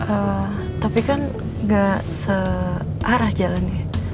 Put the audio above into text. eh tapi kan nggak searah jalannya